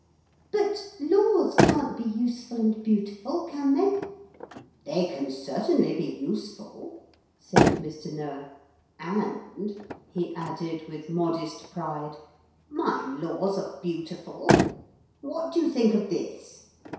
'But laws can't be useful and beautiful, can they?' 'They can certainly be useful,' said Mr. Noah, 'and,' he added with modest pride, 'my laws are beautiful. What do you think of this?